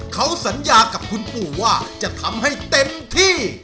เขาสัญญากับคุณปู่ว่าจะทำให้เต็มที่